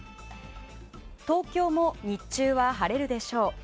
東京も日中は晴れるでしょう。